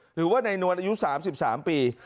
หรือว่านายนวลอายุ๓๓ปี